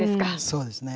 そうですね。